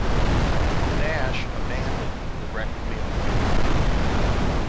Nash abandoned the wrecked mill.